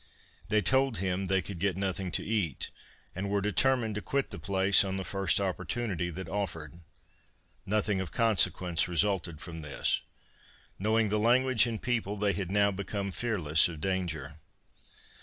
They told him that they could get nothing to eat, and were determined to quit the place on the first opportunity that offered. Nothing of consequence resulted from this. Knowing the language and people they had now become fearless of danger.